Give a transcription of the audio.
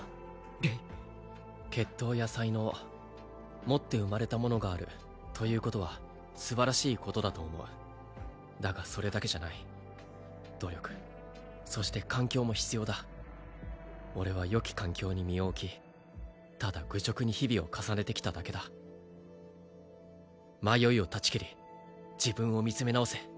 レイ血統や才能持って生まれたものがあるということはすばらしいことだと思うだがそれだけじゃない努力そして環境も必要だ俺は良き環境に身を置きただ愚直に日々を重ねてきただけだ迷いを断ち切り自分を見つめ直せ